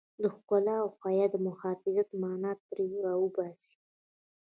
د ښکلا او حيا د محافظت مانا ترې را وباسي.